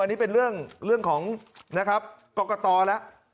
อันนี้เป็นเรื่องของนะครับกรกตแล้ว